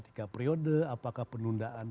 tiga periode apakah penundaan